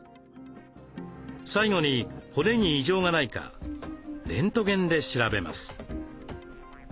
最後に骨に異常がないかレントゲンで調べます。